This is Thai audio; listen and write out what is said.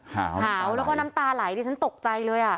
หาวแล้วก็น้ำตาไหลดิฉันตกใจเลย